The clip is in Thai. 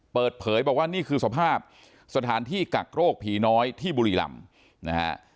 เปิดเผยบอกว่านี่คือสภาพสถานที่กักโรคผีน้อยที่บุรีรำนะฮะ